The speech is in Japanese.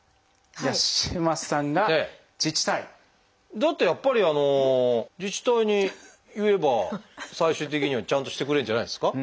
だってやっぱり自治体に言えば最終的にはちゃんとしてくれるんじゃないですか？